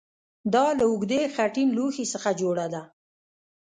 دا له اوږدې خټین لوښي څخه جوړه ده